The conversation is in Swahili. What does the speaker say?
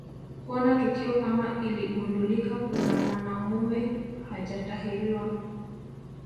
Kuona tukio kama iligundulika kuna mwanamume hajatahiriwa